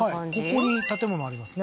ここに建物ありますね